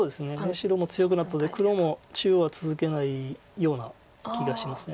白も強くなったので黒も中央は続けないような気がします。